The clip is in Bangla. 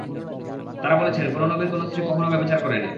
তারা বলেছেন, কোন নবীর কোন স্ত্রী কখনও ব্যভিচার করেননি।